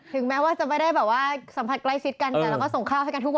ถึงแม้ว่าจะไม่ได้สัมผัสใกล้สิดกันกันแล้วก็ส่งข้าวให้กันทุกวัน